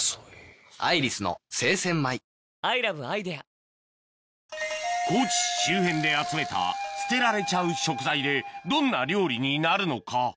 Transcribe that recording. さらに高知市周辺で集めた捨てられちゃう食材でどんな料理になるのか？